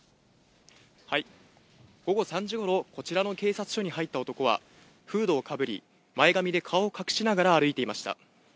午後３時ごろ、こちらの警察署に入った男は、フードをかぶり、前髪で顔を隠しながら歩いていました。